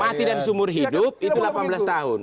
mati dan seumur hidup itu delapan belas tahun